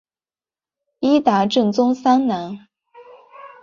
伊达政宗三男。